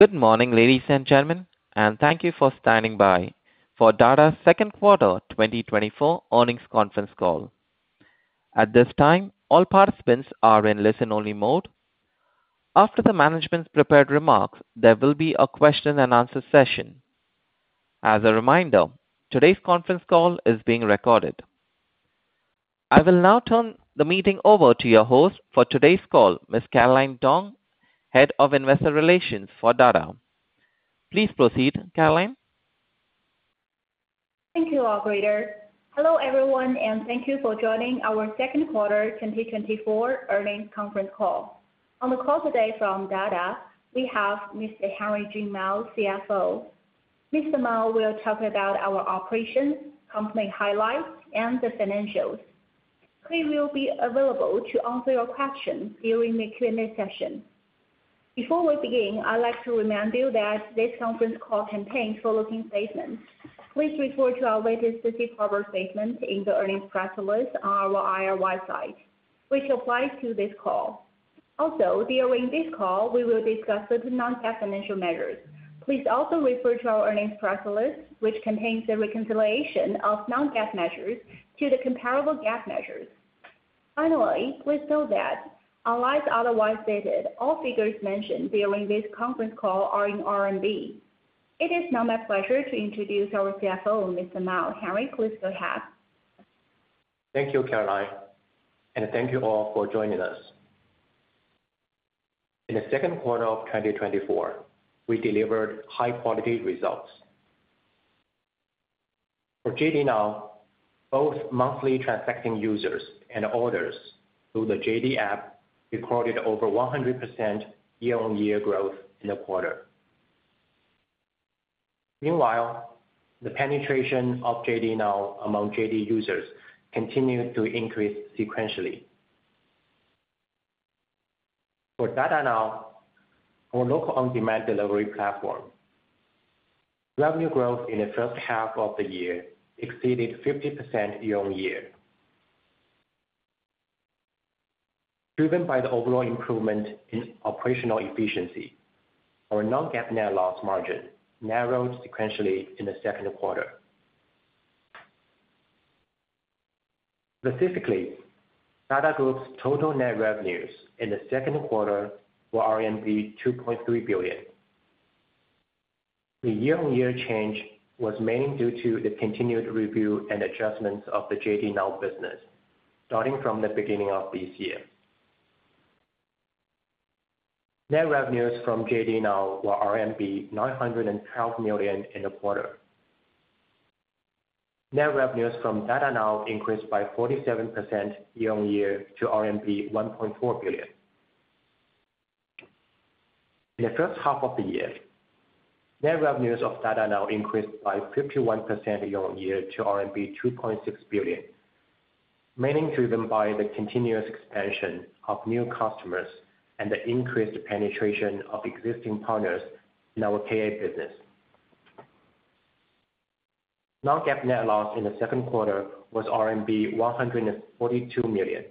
Good morning, ladies and gentlemen, and thank you for standing by for Dada's second quarter twenty twenty-four earnings conference call. At this time, all participants are in listen-only mode. After the management's prepared remarks, there will be a question and answer session. As a reminder, today's conference call is being recorded. I will now turn the meeting over to your host for today's call, Ms. Caroline Tong, Head of Investor Relations for Dada. Please proceed, Caroline. Thank you, Operator. Hello, everyone, and thank you for joining our second quarter 2024 earnings conference call. On the call today from Dada, we have Mr. Henry Jun Mao, CFO. Mr. Mao will talk about our operations, company highlights, and the financials. He will be available to answer your questions during the Q&A session. Before we begin, I'd like to remind you that this conference call contains forward-looking statements. Please refer to our latest safe harbor statement in the earnings press release on our IR site, which applies to this call. Also, during this call, we will discuss the non-GAAP financial measures. Please also refer to our earnings press release, which contains the reconciliation of non-GAAP measures to the comparable GAAP measures. Finally, please note that unless otherwise stated, all figures mentioned during this conference call are in RMB. It is now my pleasure to introduce our CFO, Mr. Mao, Henry, please go ahead. Thank you, Caroline, and thank you all for joining us. In the second quarter of twenty twenty-four, we delivered high-quality results. For JD Now, both monthly transacting users and orders through the JD app recorded over 100% year-on-year growth in the quarter. Meanwhile, the penetration of JD Now among JD users continued to increase sequentially. For Dada Now, our local on-demand delivery platform, revenue growth in the first half of the year exceeded 50% year-on-year. Driven by the overall improvement in operational efficiency, our non-GAAP net loss margin narrowed sequentially in the second quarter. Specifically, Dada Group's total net revenues in the second quarter were RMB 2.3 billion. The year-on-year change was mainly due to the continued review and adjustments of the JD Now business, starting from the beginning of this year. Net revenues from JD Now were RMB 912 million in the quarter. Net revenues from Dada Now increased by 47% year-on-year to RMB 1.4 billion. In the first half of the year, net revenues of Dada Now increased by 51% year-on-year to RMB 2.6 billion, mainly driven by the continuous expansion of new customers and the increased penetration of existing partners in our KA business. Non-GAAP net loss in the second quarter was RMB 142 million,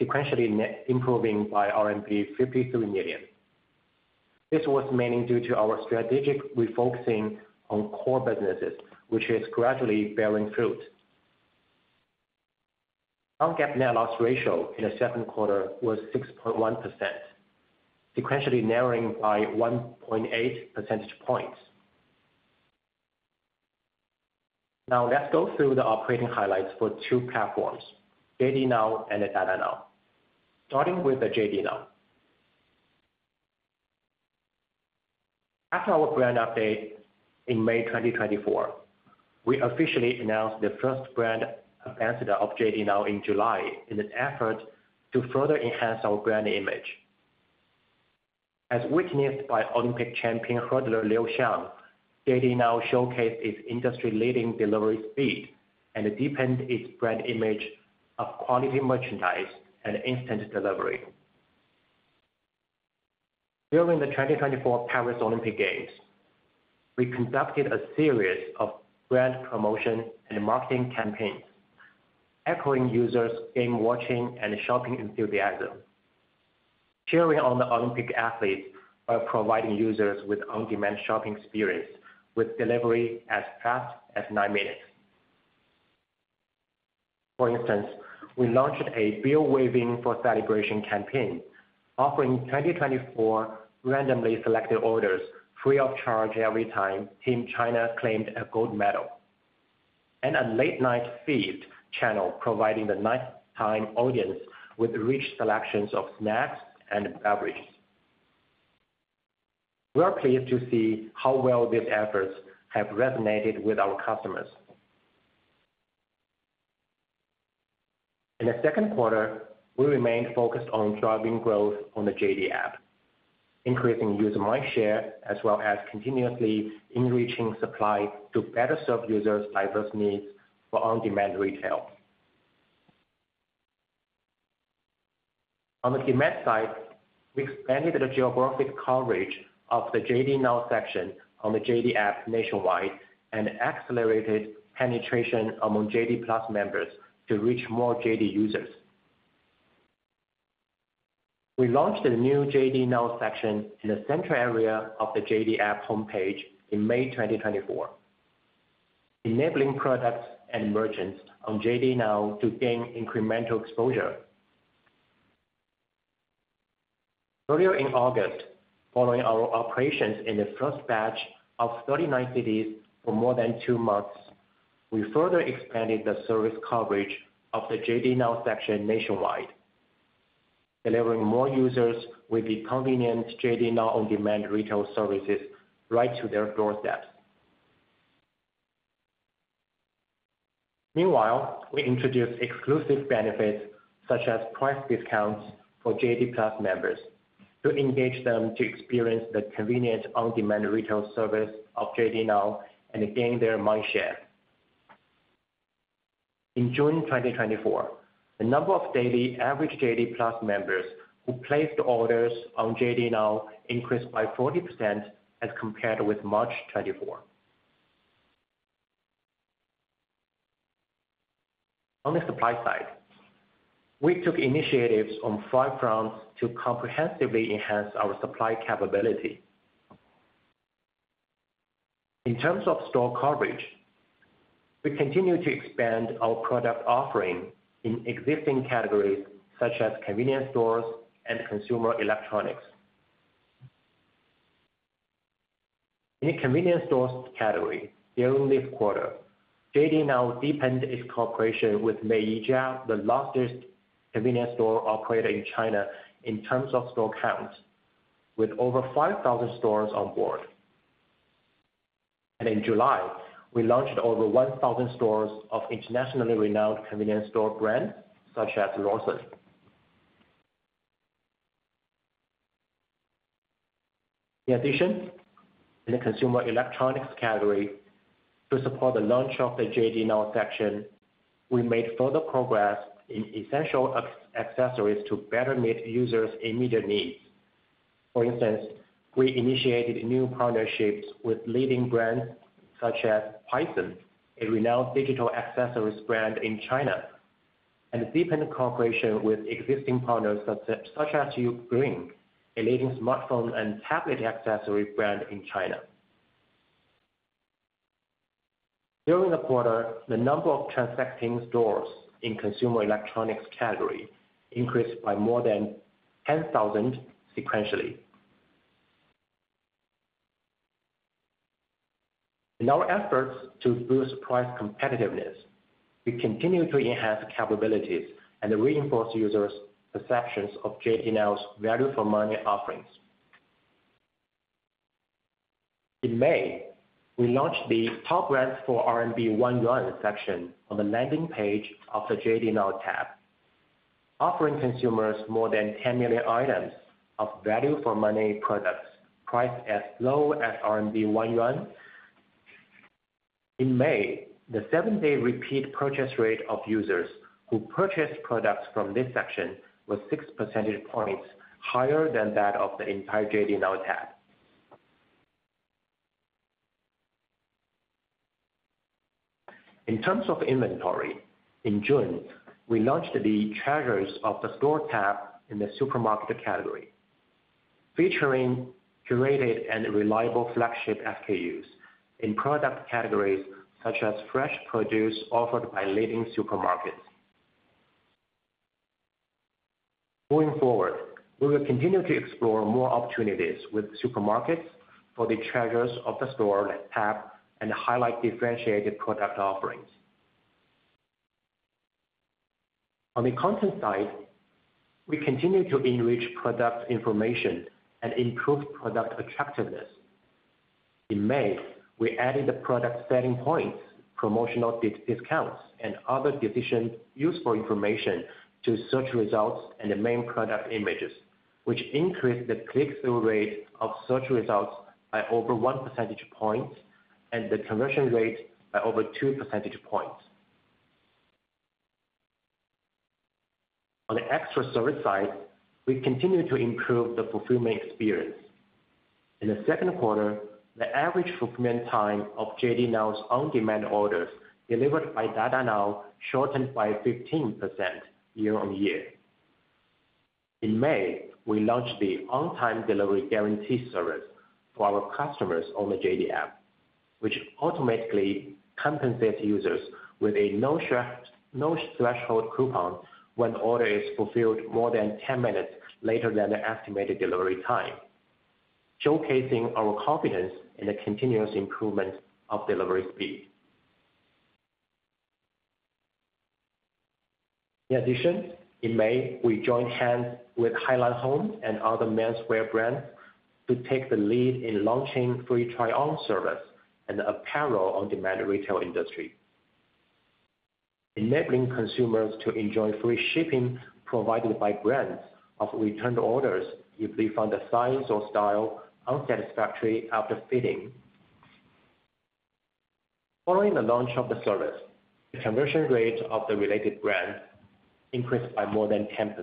sequentially net, improving by RMB 53 million. This was mainly due to our strategic refocusing on core businesses, which is gradually bearing fruit. Non-GAAP net loss ratio in the second quarter was 6.1%, sequentially narrowing by 1.8 percentage points. Now, let's go through the operating highlights for two platforms, JD Now and Dada Now. Starting with the JD Now. After our brand update in May twenty twenty-four, we officially announced the first brand ambassador of JD Now in July, in an effort to further enhance our brand image. As witnessed by Olympic champion hurdler Liu Xiang, JD Now showcased its industry-leading delivery speed and deepened its brand image of quality merchandise and instant delivery. During the twenty twenty-four Paris Olympic Games, we conducted a series of brand promotion and marketing campaigns, echoing users' game watching and shopping enthusiasm, cheering on the Olympic athletes while providing users with on-demand shopping experience, with delivery as fast as nine minutes. For instance, we launched a bill waiving for celebration campaign, offering twenty twenty-four randomly selected orders free of charge every time Team China claimed a gold medal, and a late-night feast channel, providing the nighttime audience with rich selections of snacks and beverages. We are pleased to see how well these efforts have resonated with our customers. In the second quarter, we remained focused on driving growth on the JD app, increasing user mindshare, as well as continuously enriching supply to better serve users' diverse needs for on-demand retail. On the demand side, we expanded the geographic coverage of the JD Now section on the JD app nationwide and accelerated penetration among JD Plus members to reach more JD users. We launched the new JD Now section in the center area of the JD app homepage in May 2024, enabling products and merchants on JD Now to gain incremental exposure. Earlier in August, following our operations in the first batch of thirty-nine cities for more than two months, we further expanded the service coverage of the JD Now section nationwide, delivering more users with the convenient JD Now on-demand retail services right to their doorsteps. Meanwhile, we introduced exclusive benefits such as price discounts for JD Plus members to engage them to experience the convenient on-demand retail service of JD Now and gain their mind share. In June 2024, the number of daily average JD Plus members who placed orders on JD Now increased by 40% as compared with March 2024. On the supply side, we took initiatives on five fronts to comprehensively enhance our supply capability. In terms of store coverage, we continue to expand our product offering in existing categories such as convenience stores and consumer electronics. In the convenience stores category, during this quarter, JD Now deepened its cooperation with Meiyijia, the largest convenience store operator in China in terms of store count, with over five thousand stores on board. In July, we launched over one thousand stores of internationally renowned convenience store brands, such as Lawson. In addition, in the consumer electronics category, to support the launch of the JD Now section, we made further progress in essential accessories to better meet users' immediate needs. For instance, we initiated new partnerships with leading brands such as Pisen, a renowned digital accessories brand in China, and deepened cooperation with existing partners such as UGREEN, a leading smartphone and tablet accessory brand in China. During the quarter, the number of transacting stores in consumer electronics category increased by more than ten thousand sequentially. In our efforts to boost price competitiveness, we continue to enhance capabilities and reinforce users' perceptions of JD Now's value for money offerings. In May, we launched the top brands for 1 yuan section on the landing page of the JD Now tab, offering consumers more than ten million items of value for money products, priced as low as 1 yuan. In May, the seven-day repeat purchase rate of users who purchased products from this section was six percentage points higher than that of the entire JD Now tab. In terms of inventory, in June, we launched the Treasures of the Store tab in the supermarket category, featuring curated and reliable flagship SKUs in product categories such as fresh produce offered by leading supermarkets. Going forward, we will continue to explore more opportunities with supermarkets for the Treasures of the Store tab and highlight differentiated product offerings. On the content side, we continue to enrich product information and improve product attractiveness. In May, we added the product selling points, promotional discounts, and other decision-useful information to search results and the main product images, which increased the click-through rate of search results by over one percentage point and the conversion rate by over two percentage points. On the extra service side, we continue to improve the fulfillment experience. In the second quarter, the average fulfillment time of JD Now's on-demand orders delivered by Dada Now shortened by 15% year-on-year. In May, we launched the on-time delivery guarantee service for our customers on the JD app, which automatically compensates users with a no threshold coupon when the order is fulfilled more than 10 minutes later than the estimated delivery time, showcasing our confidence in the continuous improvement of delivery speed. In addition, in May, we joined hands with Heilan Home and other menswear brands to take the lead in launching free try-on service in the apparel on-demand retail industry, enabling consumers to enjoy free shipping provided by brands of returned orders if they find the size or style unsatisfactory after fitting. Following the launch of the service, the conversion rate of the related brands increased by more than 10%....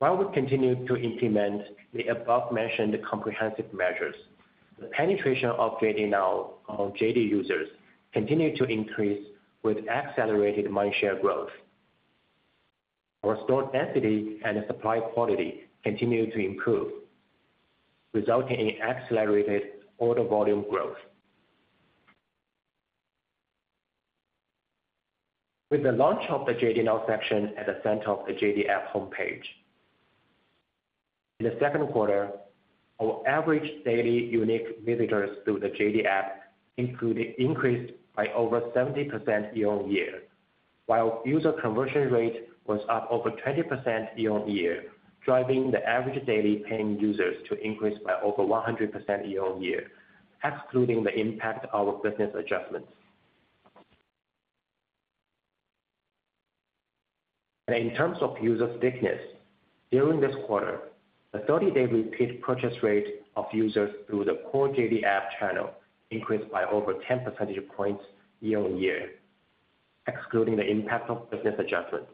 While we continue to implement the above-mentioned comprehensive measures, the penetration of JD Now on JD users continued to increase with accelerated mindshare growth. Our store density and supply quality continued to improve, resulting in accelerated order volume growth. With the launch of the JD Now section at the center of the JD app homepage, in the second quarter, our average daily unique visitors through the JD app increased by over 70% year-on-year, while user conversion rate was up over 20% year-on-year, driving the average daily paying users to increase by over 100% year-on-year, excluding the impact of our business adjustments. In terms of user stickiness, during this quarter, the thirty-day repeat purchase rate of users through the core JD app channel increased by over 10 percentage points year-on-year, excluding the impact of business adjustments.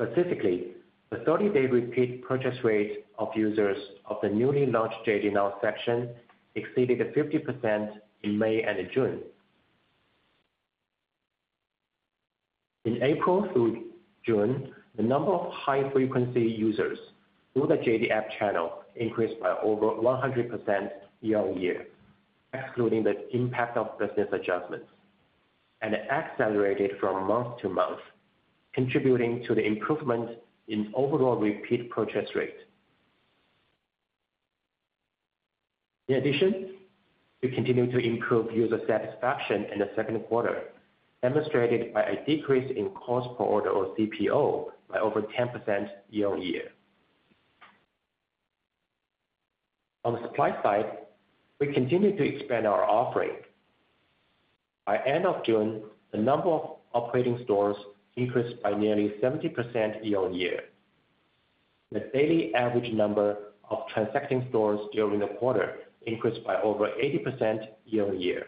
Specifically, the thirty-day repeat purchase rate of users of the newly launched JD Now section exceeded 50% in May and June. In April through June, the number of high-frequency users through the JD app channel increased by over 100% year-on-year, excluding the impact of business adjustments, and accelerated from month to month, contributing to the improvement in overall repeat purchase rate. In addition, we continued to improve user satisfaction in the second quarter, demonstrated by a decrease in cost per order, or CPO, by over 10% year-on-year. On the supply side, we continued to expand our offering. By end of June, the number of operating stores increased by nearly 70% year-on-year. The daily average number of transacting stores during the quarter increased by over 80% year-on-year.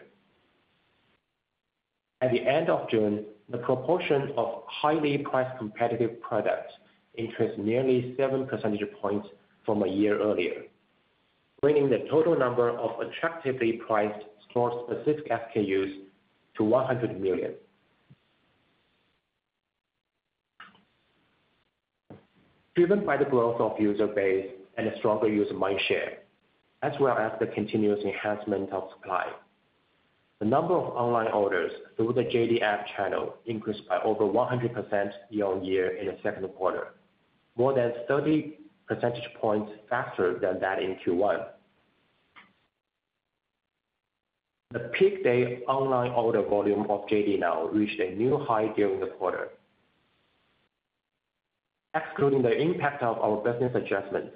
At the end of June, the proportion of highly price-competitive products increased nearly seven percentage points from a year earlier, bringing the total number of attractively priced store-specific SKUs to 100 million. Driven by the growth of user base and a stronger user mindshare, as well as the continuous enhancement of supply, the number of online orders through the JD app channel increased by over 100% year-on-year in the second quarter, more than 30 percentage points faster than that in Q1. The peak day online order volume of JD Now reached a new high during the quarter. Excluding the impact of our business adjustments,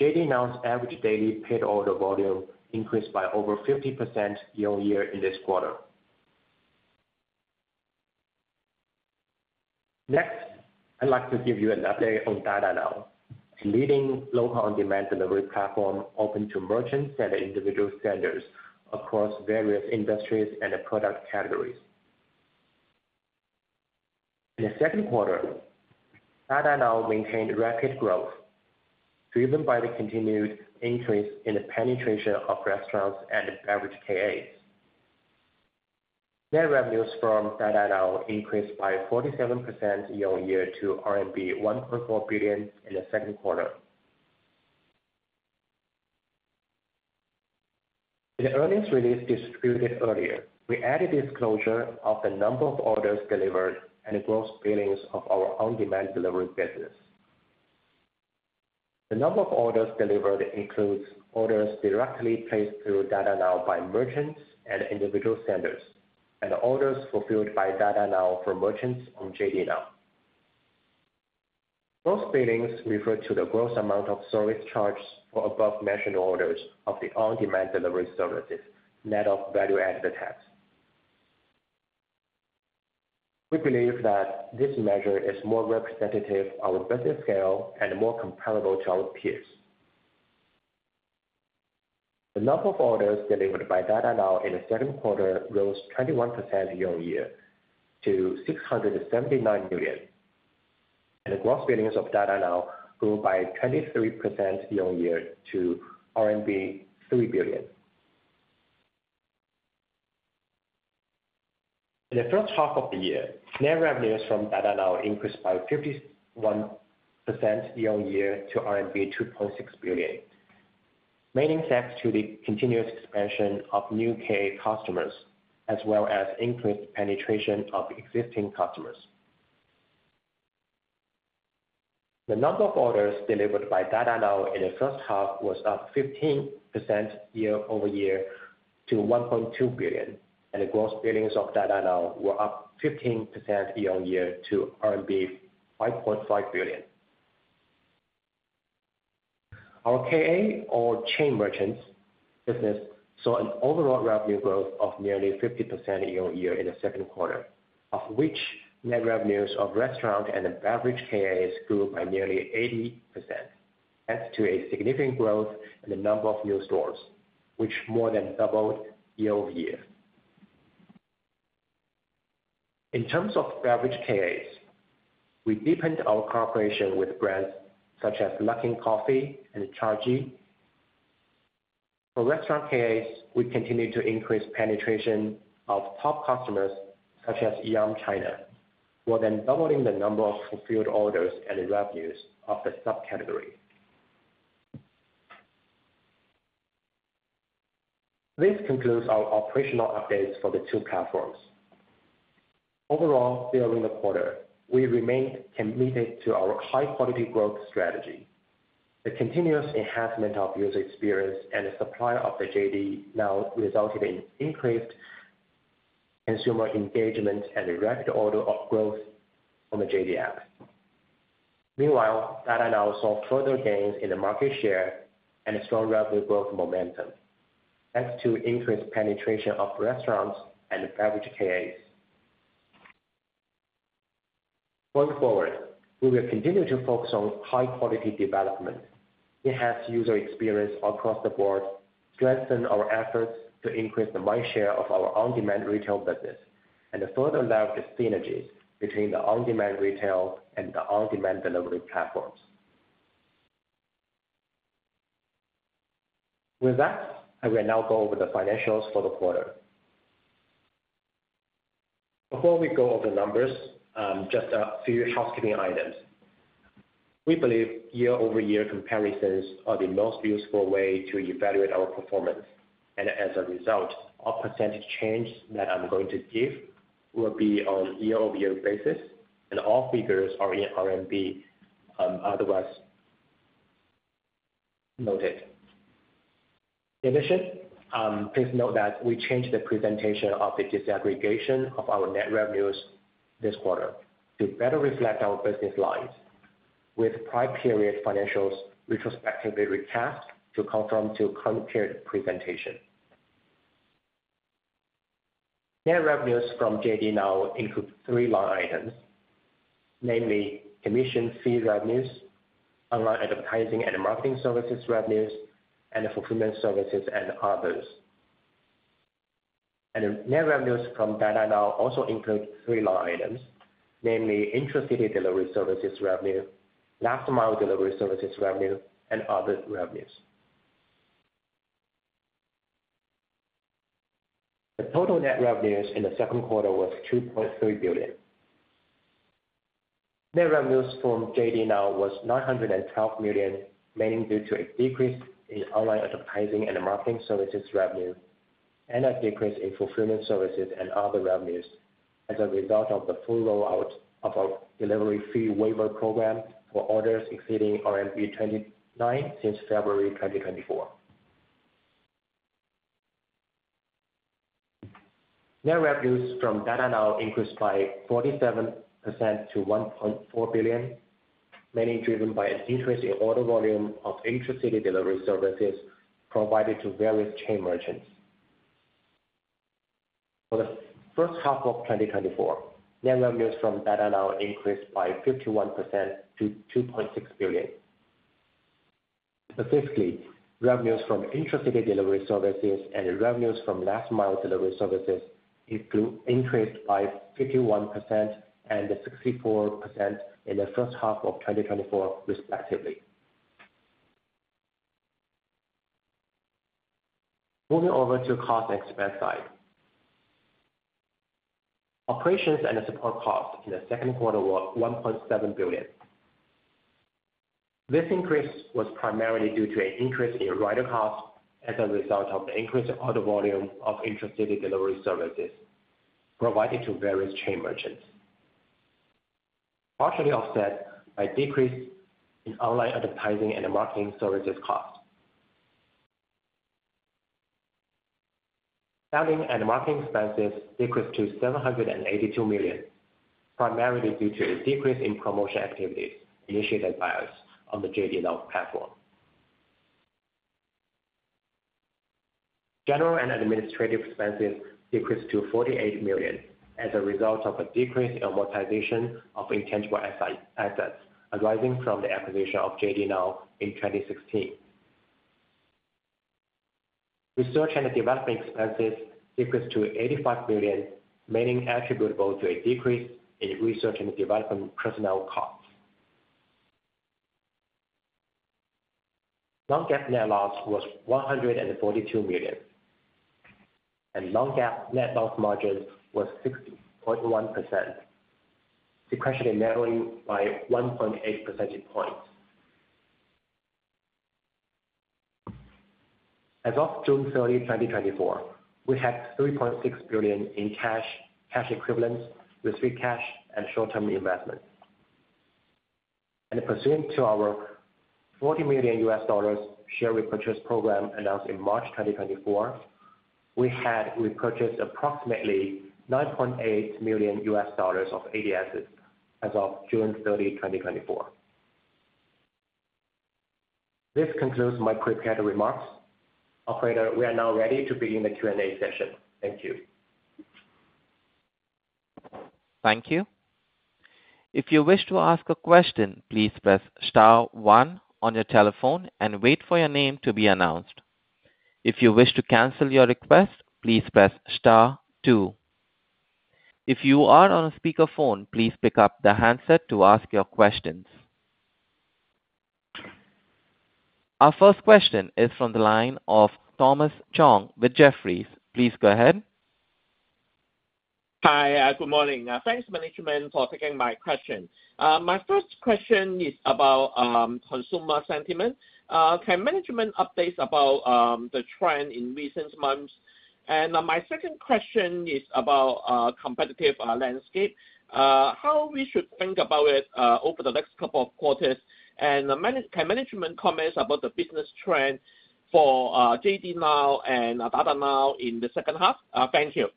JD Now's average daily paid order volume increased by over 50% year-on-year in this quarter. Next, I'd like to give you an update on Dada Now, the leading local on-demand delivery platform open to merchants and individual sellers across various industries and product categories. In the second quarter, Dada Now maintained rapid growth, driven by the continued increase in the penetration of restaurants and beverage KAs. Net revenues from Dada Now increased by 47% year-on-year to RMB 1.4 billion in the second quarter. In the earnings release distributed earlier, we added disclosure of the number of orders delivered and gross billings of our on-demand delivery business. The number of orders delivered includes orders directly placed through Dada Now by merchants and individual sellers, and orders fulfilled by Dada Now for merchants on JD Now. Gross billings refer to the gross amount of service charges for above-mentioned orders of the on-demand delivery services, net of value-added tax. We believe that this measure is more representative of our business scale and more comparable to our peers. The number of orders delivered by Dada Now in the second quarter rose 21% year-on-year to 679 million, and the gross billings of Dada Now grew by 23% year-on-year to CNY 3 billion. In the first half of the year, net revenues from Dada Now increased by 51% year-on-year to RMB 2.6 billion, mainly thanks to the continuous expansion of new KA customers, as well as increased penetration of existing customers. The number of orders delivered by Dada Now in the first half was up 15% year-over-year to 1.2 billion, and the gross billings of Dada Now were up 15% year-on-year to RMB 5.5 billion. Our KA or chain merchants business saw an overall revenue growth of nearly 50% year-on-year in the second quarter, of which net revenues of restaurant and beverage KAs grew by nearly 80%, thanks to a significant growth in the number of new stores, which more than doubled year-over-year. In terms of beverage KAs, we deepened our cooperation with brands such as Luckin Coffee and Chagee. For restaurant KAs, we continued to increase penetration of top customers such as Yum China, more than doubling the number of fulfilled orders and revenues of the subcategory. This concludes our operational updates for the two platforms. Overall, during the quarter, we remained committed to our high-quality growth strategy. The continuous enhancement of user experience and the supply of the JD Now resulted in increased consumer engagement and direct order of growth from the JD app. Meanwhile, Dada Now saw further gains in the market share and a strong revenue growth momentum, thanks to increased penetration of restaurants and beverage KAs. Going forward, we will continue to focus on high-quality development, enhance user experience across the board, strengthen our efforts to increase the mind share of our on-demand retail business, and to further leverage the synergies between the on-demand retail and the on-demand delivery platforms. With that, I will now go over the financials for the quarter. Before we go over the numbers, just a few housekeeping items. We believe year-over-year comparisons are the most useful way to evaluate our performance, and as a result, all percentage change that I'm going to give will be on year-over-year basis, and all figures are in RMB, otherwise noted. In addition, please note that we changed the presentation of the disaggregation of our net revenues this quarter to better reflect our business lines with prior period financials retrospectively recast to conform to current period presentation. Net revenues from JD Now include three line items, namely, commission fee revenues, online advertising and marketing services revenues, and the fulfillment services and others. And net revenues from Dada Now also include three line items, namely, intracity delivery services revenue, last mile delivery services revenue, and other revenues. The total net revenues in the second quarter was 2.3 billion. Net revenues from JD Now was 912 million, mainly due to a decrease in online advertising and marketing services revenue, and a decrease in fulfillment services and other revenues as a result of the full rollout of our delivery fee waiver program for orders exceeding RMB 29 since February 2024. Net revenues from Dada Now increased by 47% to 1.4 billion, mainly driven by an increase in order volume of intracity delivery services provided to various chain merchants. For the first half of 2024, net revenues from Dada Now increased by 51% to 2.6 billion. Specifically, revenues from intracity delivery services and revenues from last mile delivery services increased by 51% and 64% in the first half of 2024, respectively. Moving over to cost and expense side. Operations and the support costs in the second quarter were 1.7 billion. This increase was primarily due to an increase in rider costs as a result of the increase of order volume of intracity delivery services provided to various chain merchants, partially offset by decrease in online advertising and marketing services cost. Selling and marketing expenses decreased to 782 million, primarily due to a decrease in promotion activities initiated by us on the JD Now platform. General and administrative expenses decreased to 48 million as a result of a decrease in amortization of intangible assets arising from the acquisition of JD Now in 2016. Research and development expenses decreased to 85 million, mainly attributable to a decrease in research and development personnel costs. Non-GAAP net loss was 142 million, and non-GAAP net loss margin was 60.1%, decreasing and narrowing by 1.8 percentage points. As of June 30, 2024, we had 3.6 billion in cash, cash equivalents with free cash and short-term investments, and pursuant to our $40 million share repurchase program announced in March 2024, we had repurchased approximately $9.8 million of ADSs as of June 30, 2024. This concludes my prepared remarks. Operator, we are now ready to begin the Q&A session. Thank you. Thank you.... If you wish to ask a question, please press star one on your telephone and wait for your name to be announced. If you wish to cancel your request, please press star two. If you are on a speakerphone, please pick up the handset to ask your questions. Our first question is from the line of Thomas Chong with Jefferies. Please go ahead. Hi, good morning. Thanks, management, for taking my question. My first question is about consumer sentiment. Can management update about the trend in recent months? My second question is about competitive landscape. How should we think about it over the next couple of quarters? Can management comment about the business trend for JD Now and Dada Now in the second half? Thank you.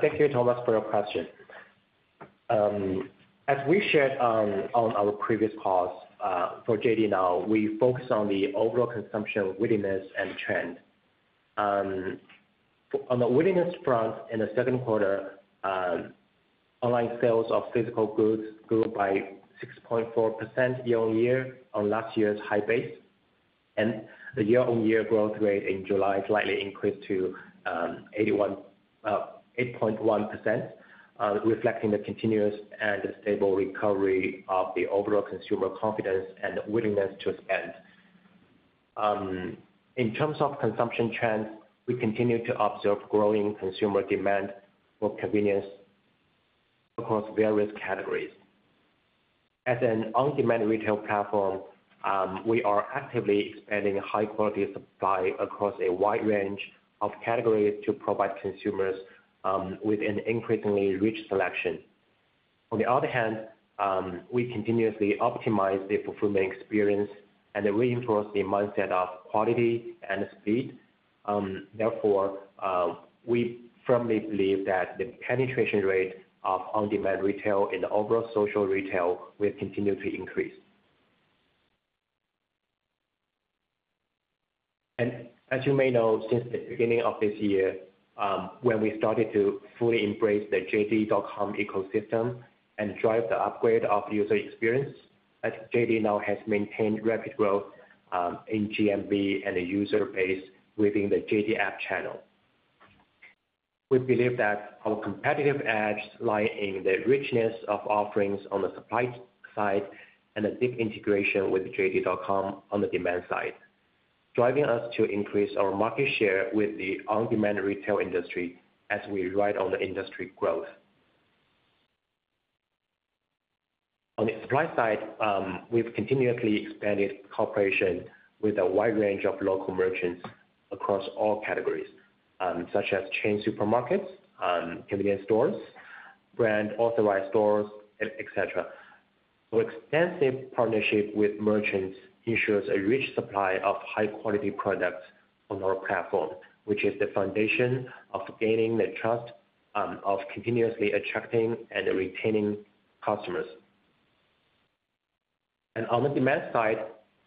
Thank you, Thomas, for your question. As we shared on our previous calls, for JD Now, we focus on the overall consumption willingness and trend. On the willingness front, in the second quarter, online sales of physical goods grew by 6.4% year-on-year on last year's high base, and the year-on-year growth rate in July slightly increased to eight point one percent, reflecting the continuous and stable recovery of the overall consumer confidence and willingness to spend. In terms of consumption trends, we continue to observe growing consumer demand for convenience across various categories. As an on-demand retail platform, we are actively expanding high quality supply across a wide range of categories to provide consumers with an increasingly rich selection. On the other hand, we continuously optimize the fulfillment experience and reinforce the mindset of quality and speed. Therefore, we firmly believe that the penetration rate of on-demand retail in the overall social retail will continue to increase, and as you may know, since the beginning of this year, when we started to fully embrace the JD.com ecosystem and drive the upgrade of user experience, as JD Now has maintained rapid growth, in GMV and the user base within the JD app channel. We believe that our competitive edge lie in the richness of offerings on the supply side and a deep integration with JD.com on the demand side, driving us to increase our market share with the on-demand retail industry as we ride on the industry growth. On the supply side, we've continuously expanded cooperation with a wide range of local merchants across all categories, such as chain supermarkets, convenience stores, brand authorized stores, et cetera, so extensive partnership with merchants ensures a rich supply of high quality products on our platform, which is the foundation of gaining the trust of continuously attracting and retaining customers, and on the demand side,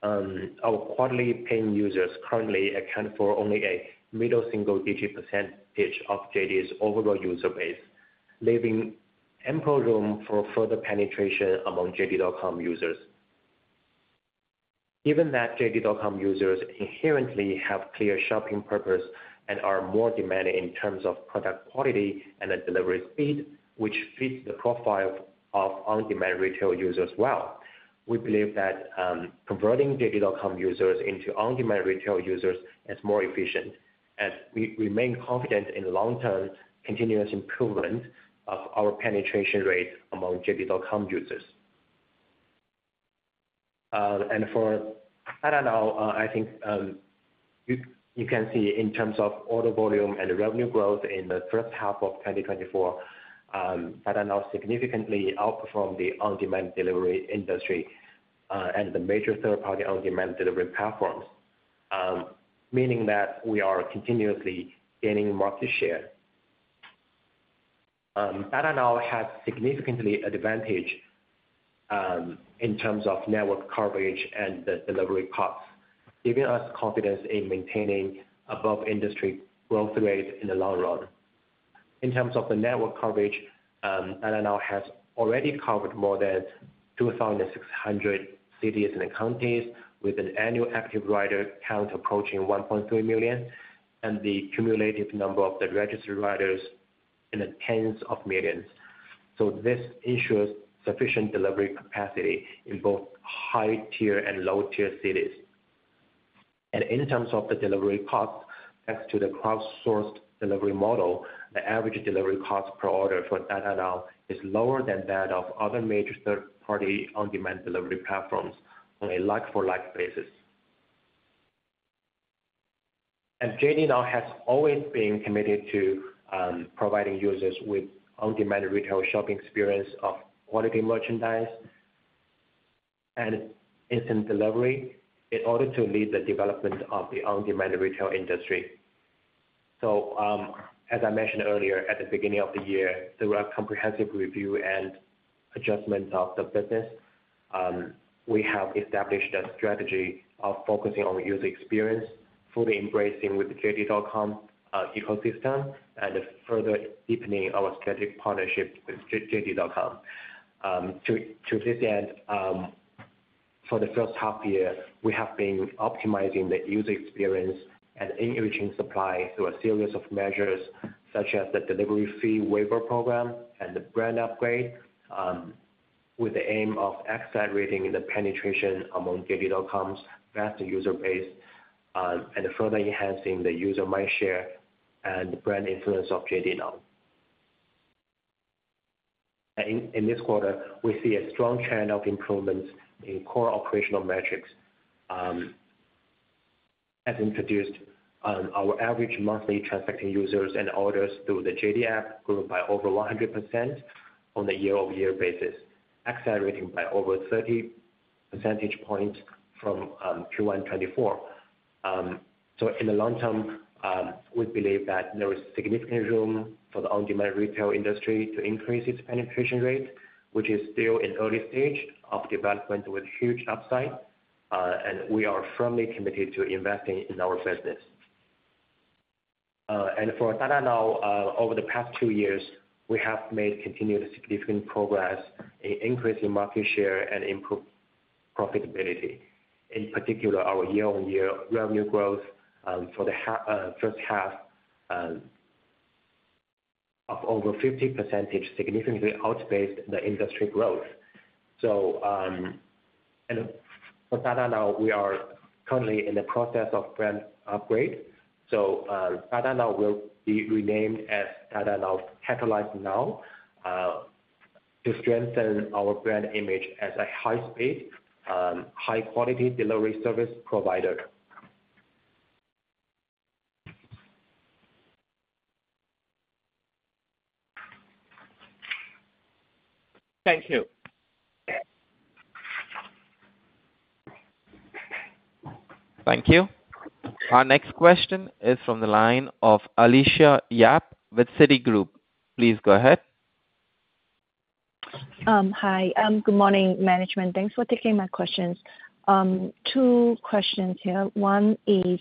our quarterly paying users currently account for only a middle single-digit % of JD's overall user base, leaving ample room for further penetration among JD.com users. Given that JD.com users inherently have clear shopping purpose and are more demanding in terms of product quality and the delivery speed, which fits the profile of on-demand retail users well, we believe that converting JD.com users into on-demand retail users is more efficient, and we remain confident in the long-term continuous improvement of our penetration rate among JD.com users. You can see in terms of order volume and revenue growth in the first half of 2024, Dada Now significantly outperformed the on-demand delivery industry and the major third-party on-demand delivery platforms, meaning that we are continuously gaining market share. Dada Now has a significant advantage in terms of network coverage and the delivery costs, giving us confidence in maintaining above industry growth rate in the long run. In terms of the network coverage, Dada Now has already covered more than 2,600 cities and counties with an annual active rider count approaching 1.3 million, and the cumulative number of the registered riders in the tens of millions. So this ensures sufficient delivery capacity in both high-tier and low-tier cities. And in terms of the delivery cost, thanks to the crowdsourced delivery model, the average delivery cost per order for Dada Now is lower than that of other major third-party on-demand delivery platforms on a like-for-like basis. And JD Now has always been committed to providing users with on-demand retail shopping experience of quality merchandise and instant delivery in order to lead the development of the on-demand retail industry. So, as I mentioned earlier, at the beginning of the year, through a comprehensive review and-... Adjustments of the business, we have established a strategy of focusing on the user experience, fully embracing with the JD.com ecosystem, and further deepening our strategic partnership with JD.com. To this end, for the first half year, we have been optimizing the user experience and enriching supply through a series of measures, such as the delivery fee waiver program and the brand upgrade, with the aim of accelerating the penetration among JD.com's faster user base, and further enhancing the user mindshare and brand influence of JD Now. In this quarter, we see a strong trend of improvements in core operational metrics. As introduced, our average monthly transacting users and orders through the JD app grew by over 100% on the year-over-year basis, accelerating by over 30 percentage points from Q1 2024. So in the long term, we believe that there is significant room for the on-demand retail industry to increase its penetration rate, which is still in early stage of development with huge upside. And we are firmly committed to investing in our business. And for Dada Now, over the past two years, we have made continued significant progress in increasing market share and improve profitability. In particular, our year-on-year revenue growth for the first half of over 50%, significantly outpaced the industry growth. So, and for Dada Now, we are currently in the process of brand upgrade. So, Dada Now will be renamed as Dada Now Catalyze Now, to strengthen our brand image as a high-speed, high-quality delivery service provider. Thank you. Thank you. Our next question is from the line of Alicia Yap with Citigroup. Please go ahead. Hi. Good morning, management. Thanks for taking my questions. Two questions here. One is,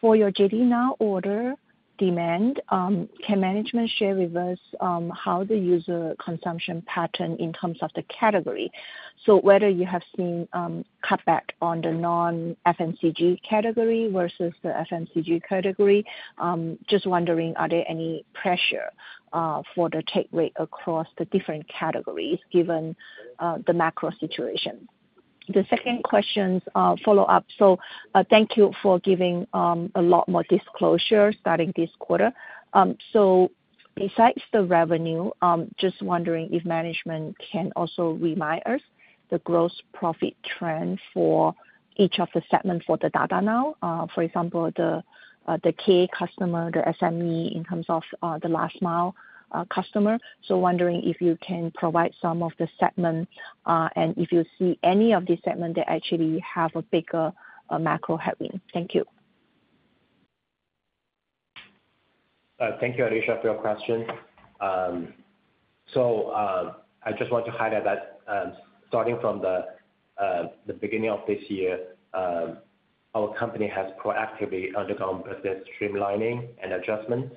for your JD Now order demand, can management share with us how the user consumption pattern in terms of the category? So whether you have seen cutback on the non-FMCG category versus the FMCG category. Just wondering, are there any pressure for the take rate across the different categories, given the macro situation? The second question, follow up. So, thank you for giving a lot more disclosure starting this quarter. So besides the revenue, just wondering if management can also remind us the gross profit trend for each of the segments for the Dada Now. For example, the key customer, the SME, in terms of the last mile customer. Wondering if you can provide some of the segments, and if you see any of these segments that actually have a bigger macro heading. Thank you. Thank you, Alicia, for your question. So, I just want to highlight that, starting from the beginning of this year, our company has proactively undergone business streamlining and adjustment,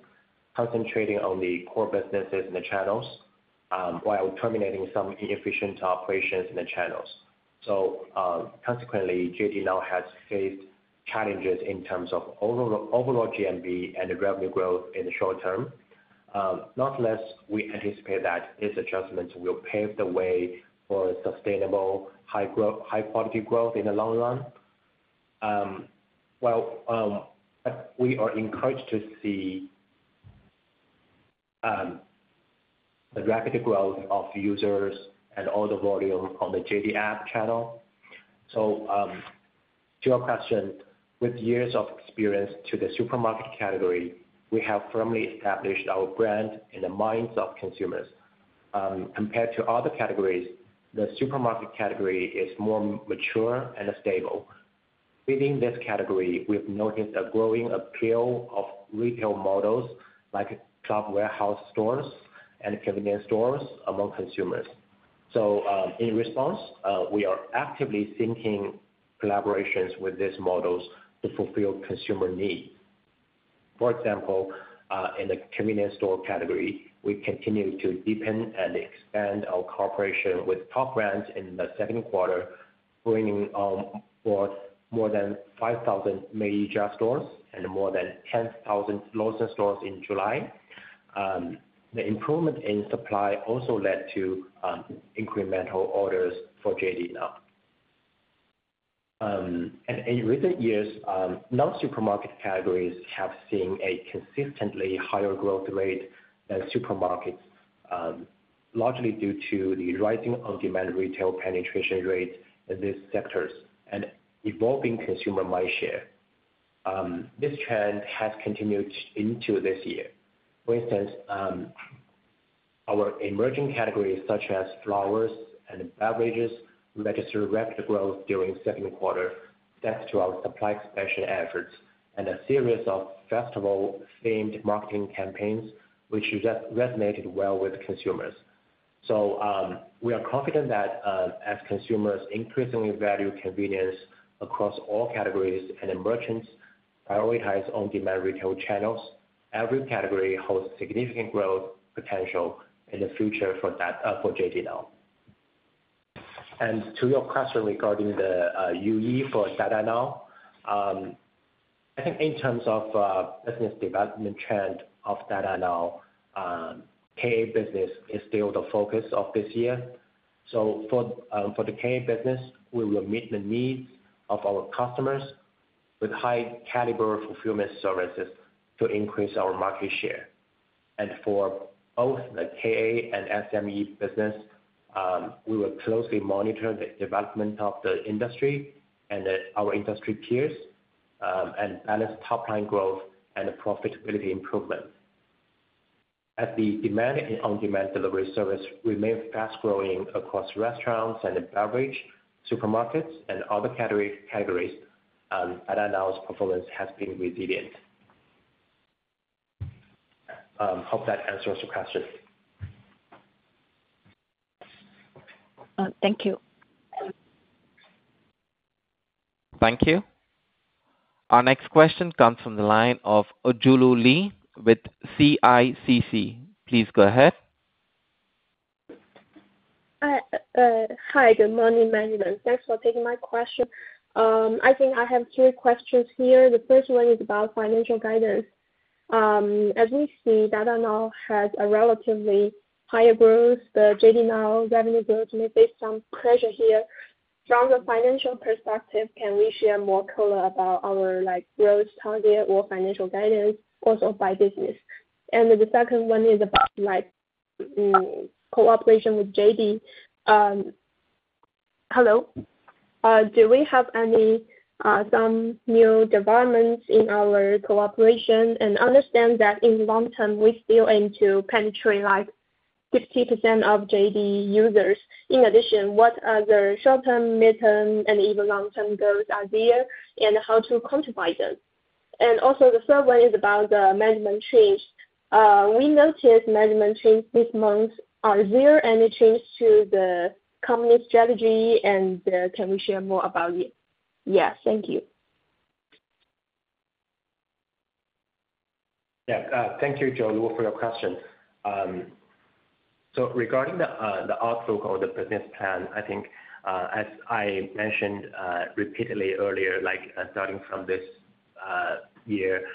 concentrating on the core businesses and the channels, while terminating some inefficient operations in the channels. So, consequently, JD Now has faced challenges in terms of overall GMV and the revenue growth in the short term. Not least, we anticipate that these adjustments will pave the way for sustainable, high growth, high-quality growth in the long run. Well, we are encouraged to see the rapid growth of users and order volume on the JD app channel. So, to your question, with years of experience to the supermarket category, we have firmly established our brand in the minds of consumers. Compared to other categories, the supermarket category is more mature and stable. Within this category, we've noticed a growing appeal of retail models like club warehouse stores and convenience stores among consumers. In response, we are actively seeking collaborations with these models to fulfill consumer needs. For example, in the convenience store category, we continue to deepen and expand our cooperation with top brands in the second quarter, bringing on board more than 5,000 Meiyijia stores and more than 10,000 Lawson stores in July. The improvement in supply also led to incremental orders for JD Now, and in recent years, non-supermarket categories have seen a consistently higher growth rate than supermarkets, largely due to the rising on-demand retail penetration rates in these sectors and evolving consumer mindshare. This trend has continued into this year. For instance, our emerging categories, such as flowers and beverages, registered rapid growth during second quarter, thanks to our supply expansion efforts and a series of festival-themed marketing campaigns, which resonated well with consumers. So, we are confident that, as consumers increasingly value convenience across all categories and merchants prioritize on-demand retail channels, every category holds significant growth potential in the future for JD Now. And to your question regarding the UE for Dada Now, I think in terms of business development trend of Dada Now, KA business is still the focus of this year. So for the KA business, we will meet the needs of our customers with high caliber fulfillment services to increase our market share. And for both the KA and SME business, we will closely monitor the development of the industry and our industry peers, and balance top line growth and profitability improvement. As the demand in on-demand delivery service remain fast-growing across restaurants and beverage, supermarkets, and other categories, Dada Now's performance has been resilient. Hope that answers your question. Thank you. Thank you. Our next question comes from the line of Jiulu Li with CICC. Please go ahead. Hi, good morning, management. Thanks for taking my question. I think I have three questions here. The first one is about financial guidance. As we see, Dada Now has a relatively higher growth, the JD Now revenue growth may face some pressure here. From the financial perspective, can we share more color about our, like, growth target or financial guidance, also by business? And then the second one is about, like, cooperation with JD. Do we have any some new developments in our cooperation? And understand that in long term, we still aim to penetrate, like, 50% of JD users. In addition, what are the short-term, midterm, and even long-term goals are there, and how to quantify them? And also, the third one is about the management change. We noticed management change this month. Are there any change to the company's strategy, and can we share more about it? Yes, thank you. Yeah. Thank you, Jiulu, for your question. So regarding the outlook or the business plan, I think, as I mentioned repeatedly earlier, like, starting from this year,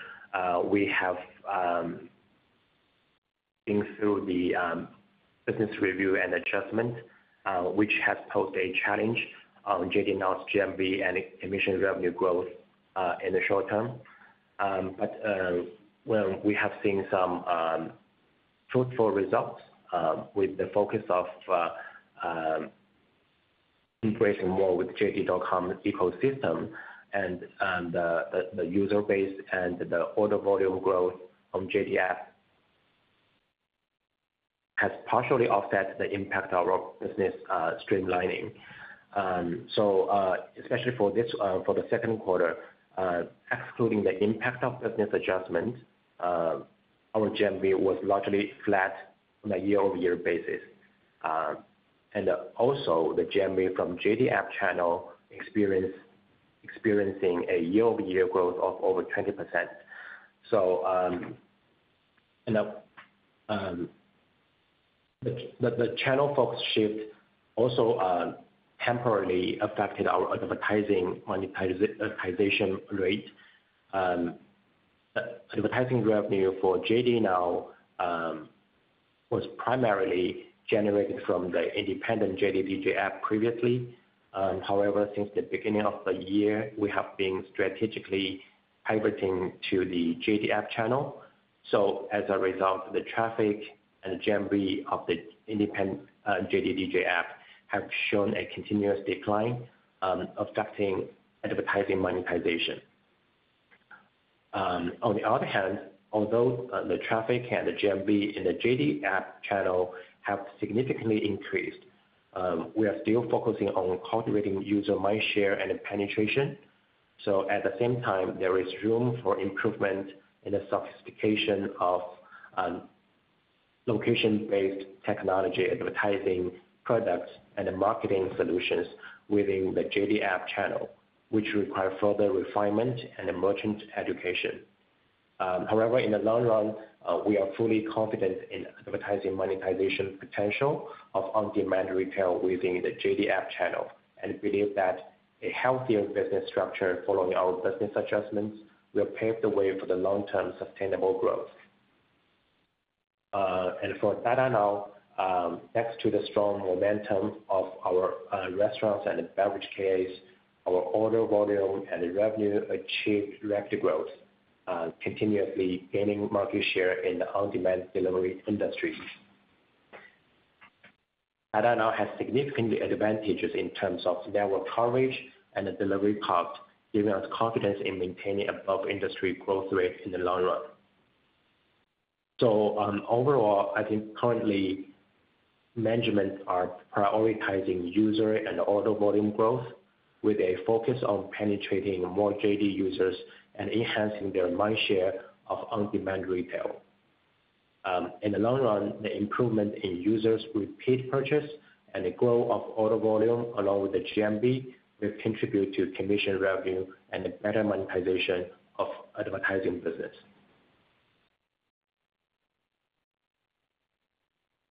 we have been through the business review and adjustment, which has posed a challenge on JD Now's GMV and commission revenue growth in the short term. But well, we have seen some fruitful results with the focus of integrating more with JD.com ecosystem and the user base and the order volume growth from JD app has partially offset the impact of our business streamlining. So especially for the second quarter, excluding the impact of business adjustment, our GMV was largely flat on a year-over-year basis. And also, the GMV from JD app channel experiencing a year-over-year growth of over 20%. So, and the channel focus shift also temporarily affected our advertising monetization rate. Advertising revenue for JD Now was primarily generated from the independent JDDJ app previously. However, since the beginning of the year, we have been strategically pivoting to the JD app channel. So as a result, the traffic and GMV of the independent JDDJ app have shown a continuous decline, affecting advertising monetization. On the other hand, although the traffic and the GMV in the JD app channel have significantly increased, we are still focusing on cultivating user mindshare and penetration. At the same time, there is room for improvement in the sophistication of location-based technology, advertising products, and the marketing solutions within the JD app channel, which require further refinement and merchant education. However, in the long run, we are fully confident in advertising monetization potential of on-demand retail within the JD app channel, and believe that a healthier business structure following our business adjustments, will pave the way for the long-term sustainable growth. For Dada Now, thanks to the strong momentum of our restaurants and beverage KAs, our order volume and revenue achieved rapid growth, continuously gaining market share in the on-demand delivery industry. Dada Now has significantly advantages in terms of network coverage and the delivery cost, giving us confidence in maintaining above industry growth rate in the long run. So, overall, I think currently, management are prioritizing user and order volume growth, with a focus on penetrating more JD users and enhancing their mindshare of on-demand retail. In the long run, the improvement in users with paid purchase and the growth of order volume, along with the GMV, will contribute to commission revenue and the better monetization of advertising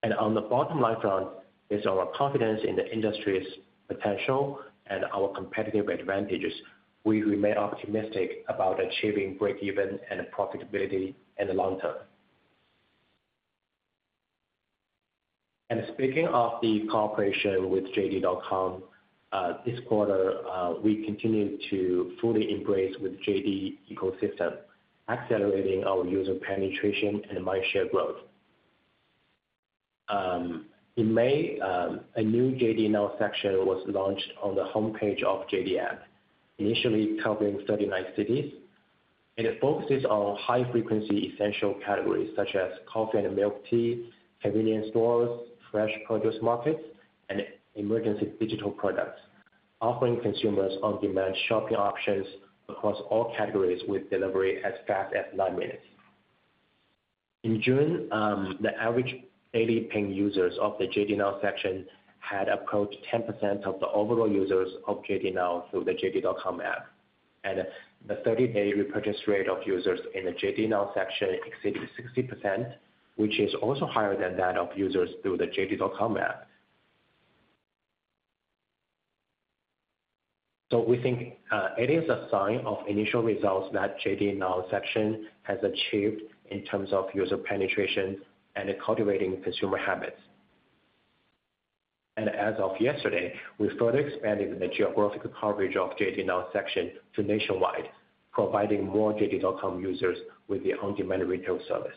business. And on the bottom line front, based on our confidence in the industry's potential and our competitive advantages, we remain optimistic about achieving breakeven and profitability in the long term. And speaking of the cooperation with JD.com, this quarter, we continued to fully embrace with JD ecosystem, accelerating our user penetration and mindshare growth. In May, a new JD Now section was launched on the homepage of JD app, initially covering 39 cities. It focuses on high-frequency essential categories such as coffee and milk tea, convenience stores, fresh produce markets, and emergency digital products, offering consumers on-demand shopping options across all categories with delivery as fast as nine minutes. In June, the average daily paying users of the JD Now section had approached 10% of the overall users of JD Now through the JD.com app. The thirty-day repurchase rate of users in the JD Now section exceeded 60%, which is also higher than that of users through the JD.com app. We think it is a sign of initial results that JD Now section has achieved in terms of user penetration and cultivating consumer habits. As of yesterday, we further expanded the geographic coverage of JD Now section to nationwide, providing more JD.com users with the on-demand retail service.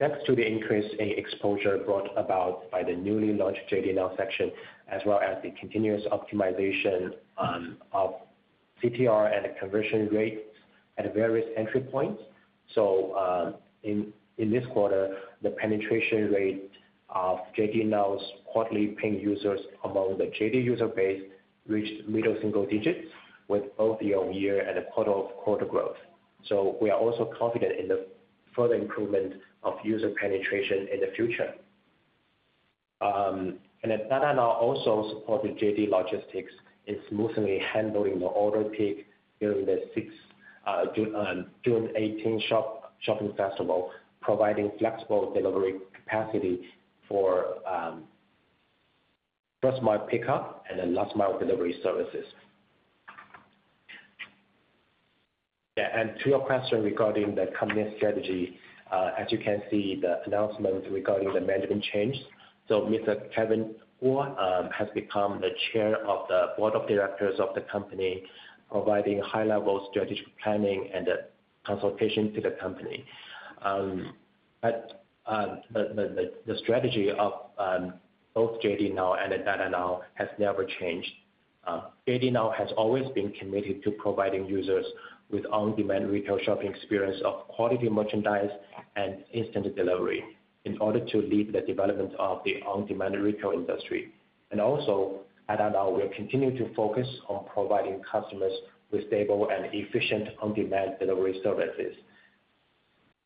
Thanks to the increase in exposure brought about by the newly launched JD Now section, as well as the continuous optimization of CTR and conversion rates at various entry points. So, in this quarter, the penetration rate of JD Now's quarterly paying users among the JD user base reached middle single digits with both year-on-year and quarter-over-quarter growth. So we are also confident in the further improvement of user penetration in the future. And then Dada Now also supported JD Logistics in smoothly handling the order peak during the 618 shopping festival, providing flexible delivery capacity for first mile pickup and then last mile delivery services. Yeah, and to your question regarding the company's strategy, as you can see, the announcements regarding the management change. So Mr. Kevin Guo has become the chair of the board of directors of the company, providing high-level strategic planning and consultation to the company. But the strategy of both JD Now and Dada Now has never changed. JD Now has always been committed to providing users with on-demand retail shopping experience of quality merchandise and instant delivery, in order to lead the development of the on-demand retail industry. And also, Dada Now will continue to focus on providing customers with stable and efficient on-demand delivery services.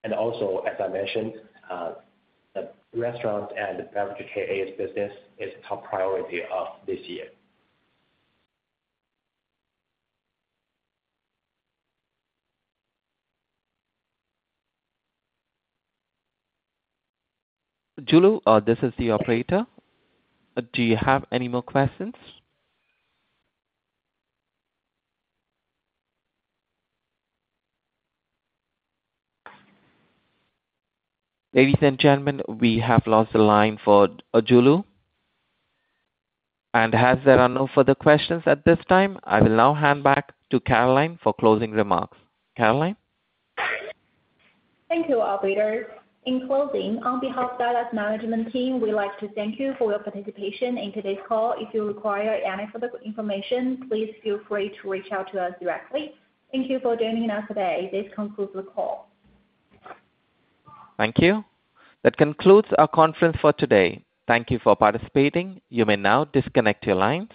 And also, as I mentioned, the restaurant and beverage KA's business is top priority of this year. Jiulu, this is the operator. Do you have any more questions? Ladies and gentlemen, we have lost the line for Jiulu. And as there are no further questions at this time, I will now hand back to Caroline for closing remarks. Caroline? Thank you, operator. In closing, on behalf of Dada's management team, we'd like to thank you for your participation in today's call. If you require any further information, please feel free to reach out to us directly. Thank you for joining us today. This concludes the call. Thank you. That concludes our conference for today. Thank you for participating. You may now disconnect your lines.